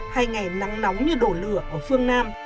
hay ngày nắng nóng như đổ lửa ở phương nam